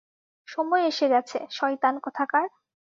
সময় এসে গেছে, শয়তান কোথাকার!